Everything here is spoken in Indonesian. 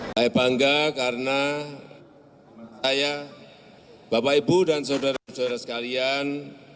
saya bangga karena saya bapak ibu dan saudara saudara sekalian